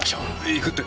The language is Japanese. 行くって？